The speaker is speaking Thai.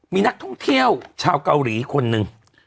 มีนักท่องเที่ยวชาวเกาหลีคนหนึ่ง